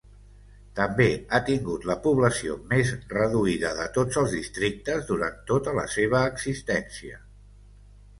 També ha tingut la població més reduïda de tots els districtes durant tota la seva existència.